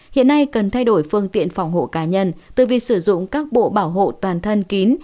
hiện nay cần thay đổi phương tiện phòng hộ cá nhân từ việc sử dụng các bộ bảo hộ toàn thân kín